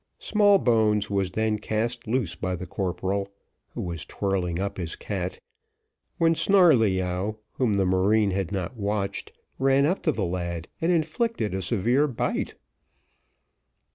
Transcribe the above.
Smallbones was then cast loose by the corporal, who was twirling up his cat, when Snarleyyow, whom the marine had not watched, ran up to the lad, and inflicted a severe bite.